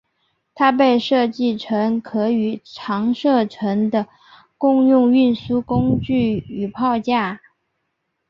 它被设计成可与长射程的共用运输工具与炮架。